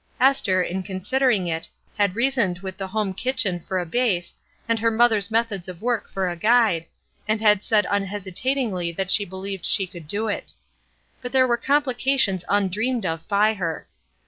Esther, in considering it, had reasoned with the home kitchen for a base and her mother's methods of work for a guide, and had said un hesitatingly that she believed she could do it. But there were complications undreamed of by her.